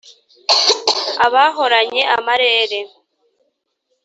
abahoranye amarere